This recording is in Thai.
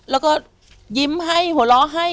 แล้วก็ยิ้มให้หัวเราะให้